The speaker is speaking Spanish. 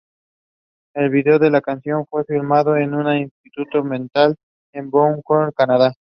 El video de la canción fue filmado en una institución mental en Vancouver, Canadá.